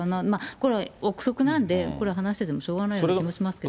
これは臆測なんで、これは話しててもしょうがない気がしますけど。